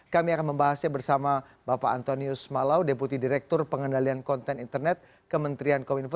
kami akan membahasnya bersama bapak antonius malau deputi direktur pengendalian konten internet kementerian kominfo